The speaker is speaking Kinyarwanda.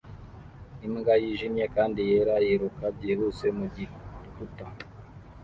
Imbwa yijimye kandi yera yiruka byihuse mu gikuta